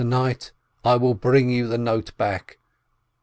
To night I will bring you the note back